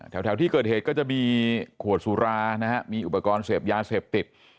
แถวที่เกิดเหตุก็จะมีขวดสุรานะฮะมีอุปกรณ์เสพยาเสพติด